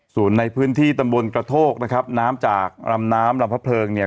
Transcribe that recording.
ส่วนในพื้นที่ตำบลกระโทกนะครับน้ำจากลำน้ำลำพระเพลิงเนี่ย